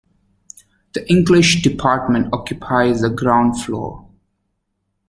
The English Department occupies the ground floor.